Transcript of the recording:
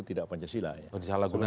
tidak pancasila ya